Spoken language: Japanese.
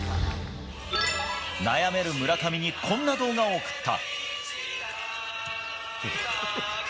悩める村上にこんな動画を送った。